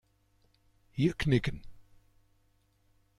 Hier knicken.